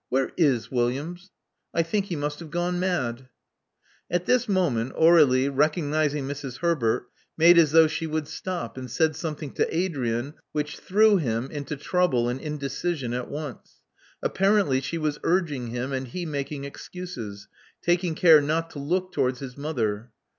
''Where is Williams? I think he must have gone mad." At this moment Aur^lie, recognizing Mrs. Herbert, made as though she would stop, and said something to Adrian which threw him into trouble and indecision at once. Apparently she was urging him, and he making excuses, taking care not to look towards his mother.